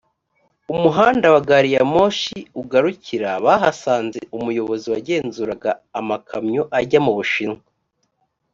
umuhanda wa gari ya moshi ugarukira bahasanze umuyobozi wagenzuraga amakamyo ajya mu bushinwa